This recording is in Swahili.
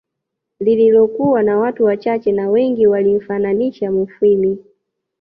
Lililokuwa na watu wachache na Wengi walimfananisha Mufwimi